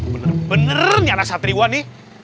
bener bener nih anak satriwa nih